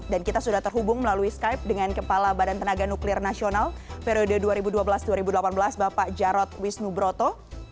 dan kita sudah terhubung melalui skype dengan kepala badan tenaga nuklir nasional periode dua ribu dua belas dua ribu delapan belas bapak jarod wisnubroto